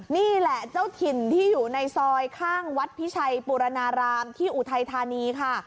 นี่แหละเจ้าถิ่นที่อยู่ในซอยข้างวัดพิชัยปุรณารามที่อุทัยธานีค่ะ